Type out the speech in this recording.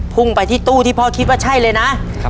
พุ่งไปที่ตู้ที่พ่อคิดว่าใช่เลยนะ